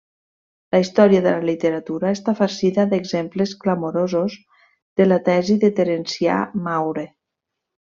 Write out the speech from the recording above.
La història de la literatura està farcida d'exemples clamorosos de la tesi de Terencià Maure.